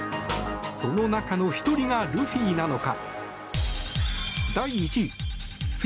その中の１人がルフィなのか。